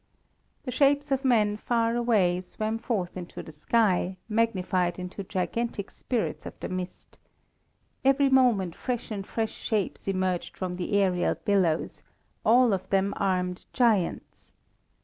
The shapes of men far away swam forth into the sky, magnified into gigantic spirits of the mist. Every moment fresh and fresh shapes emerged from the aërial billows, all of them armed giants.